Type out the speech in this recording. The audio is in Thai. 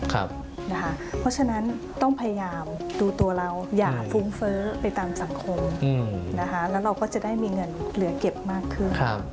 เพราะฉะนั้นต้องพยายามดูตัวเราอย่าฟุ้งเฟ้อไปตามสังคมแล้วเราก็จะได้มีเงินเหลือเก็บมากขึ้น